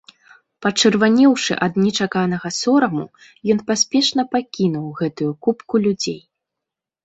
Пачырванеўшы ад нечаканага сораму, ён паспешна пакінуў гэтую купку людзей.